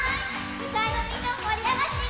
２かいのみんなももりあがっていくよ！